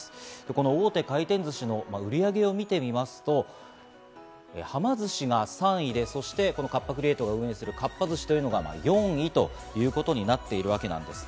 この大手回転寿司の売り上げを見てみますと、はま寿司が３位で、そしてカッパ・クリエイトが運営するかっぱ寿司というのが４位ということになっているわけです。